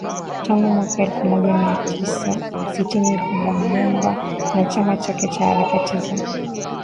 tano mwaka elfu moja mia tisa sitini Lumumba na chama chake cha harakati za